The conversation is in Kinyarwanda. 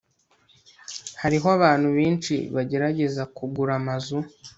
hariho abantu benshi bagerageza kugura amazu